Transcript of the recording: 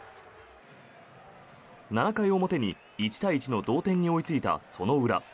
７回表に１対１の同点に追いついたその裏。